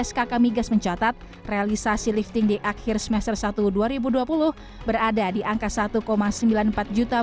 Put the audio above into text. skk migas mencatat realisasi lifting di akhir semester satu dua ribu dua puluh berada di angka satu sembilan puluh empat juta